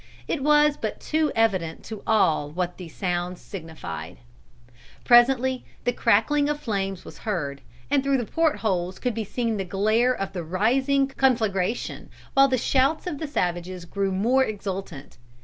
It was but too evident to all what these sounds signified. "Presently the crackling of flames was heard, and through the port holes could be seen the glare of the rising conflagration, while the shouts of the savages grew more exultant.